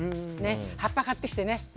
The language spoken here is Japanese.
葉っぱ買ってきてね。